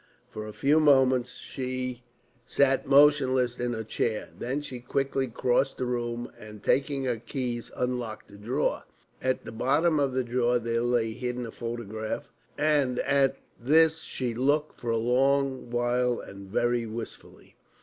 For a few moments she sat motionless in her chair, then she quickly crossed the room, and, taking her keys, unlocked a drawer. At the bottom of the drawer there lay hidden a photograph, and at this she looked for a long while and very wistfully.